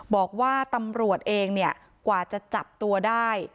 บอกว่าตำรวจเองเนี่ยกว่าจะจับตัวได้